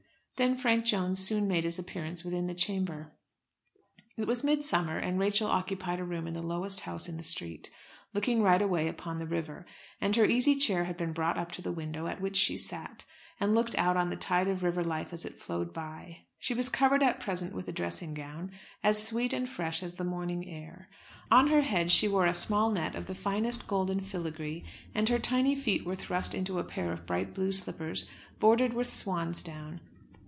Then Frank Jones soon made his appearance within the chamber. It was midsummer, and Rachel occupied a room in the lowest house in the street, looking right away upon the river, and her easy chair had been brought up to the window at which she sat, and looked out on the tide of river life as it flowed by. She was covered at present with a dressing gown, as sweet and fresh as the morning air. On her head she wore a small net of the finest golden filigree, and her tiny feet were thrust into a pair of bright blue slippers bordered with swans down.